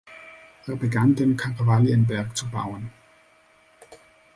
Er begann den Kalvarienberg zu bauen.